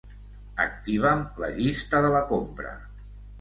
Activa'm la llista de la compra.